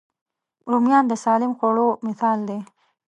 رومیان د سالم خوړو مثال دی